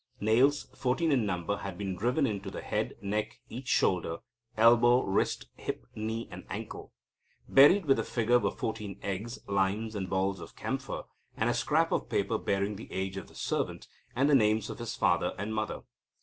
Nails, fourteen in number, had been driven into the head, neck, and each shoulder, elbow, wrist, hip, knee, and ankle. Buried with the figure were fourteen eggs, limes, and balls of camphor, and a scrap of paper bearing the age of the servant, and the names of his father and mother.